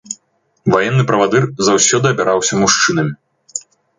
Ваенны правадыр заўсёды абіраўся мужчынамі.